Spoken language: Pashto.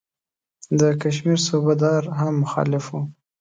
د کشمیر صوبه دار هم مخالف وو.